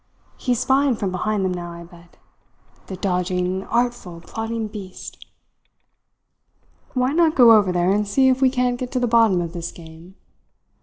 He's spying from behind them now, I bet the dodging, artful, plotting beast!" "Why not go over there and see if we can't get to the bottom of this game?"